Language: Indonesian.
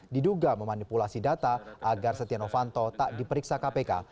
diduga memanipulasi data agar setianowanto tak diperiksa kpk